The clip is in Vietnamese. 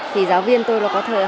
thì giáo viên tôi họ có thời gian